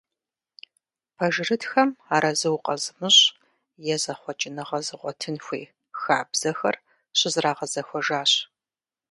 Пэжырытхэм арэзы укъэзымыщӏ, е зэхъуэкӏыныгъэ зыгъуэтын хуей хабзэхэр щызэрагъэзэхуэжащ.